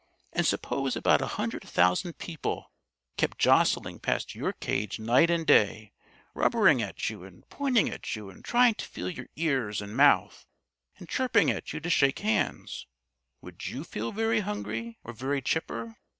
And suppose about a hundred thousand people kept jostling past your cage night and day, rubbering at you and pointing at you and trying to feel your ears and mouth, and chirping at you to shake hands, would you feel very hungry or very chipper?